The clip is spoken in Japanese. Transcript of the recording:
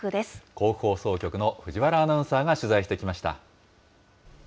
甲府放送局の藤原アナウンサーが取材してきました。